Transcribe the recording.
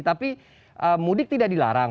tapi mudik tidak dilarang